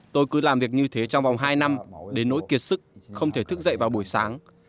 tôi cứ làm việc như thế trong vòng hai năm đến nỗi kiệt sức không thể thức dậy vào buổi sáng